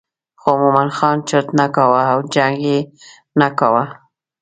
خو مومن خان چرت نه کاوه او جنګ یې نه کاوه.